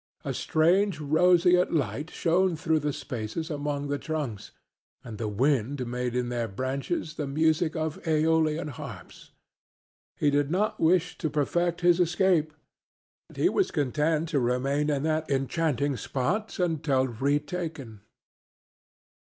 A strange, roseate light shone through the spaces among their trunks and the wind made in their branches the music of æolian harps. He had no wish to perfect his escape was content to remain in that enchanting spot until retaken.